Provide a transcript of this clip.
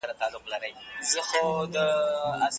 ایا د سبزیو په مینځ کي د پالک استعمال د اوسپنې لپاره ښه دی؟